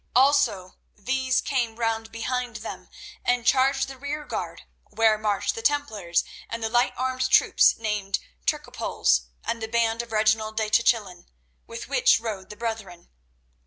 Also these came round behind them, and charged the rearguard, where marched the Templars and the light armed troops named Turcopoles, and the band of Reginald de Chatillon, with which rode the brethren.